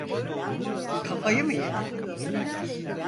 Kafayı mı yedin?